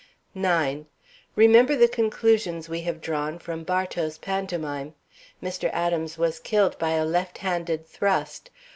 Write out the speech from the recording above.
9. Remember the conclusions we have drawn from Bartow's pantomime. Mr. Adams was killed by a left handed thrust.